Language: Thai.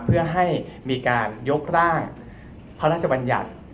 เพื่อให้มีการยกร่างพระราชบัญญัติ